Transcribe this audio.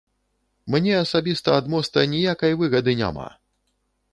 Мне асабіста ад моста ніякай выгады няма.